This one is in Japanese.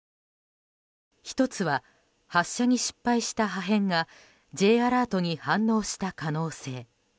１つは発射に失敗した破片がＪアラートに反応した可能性。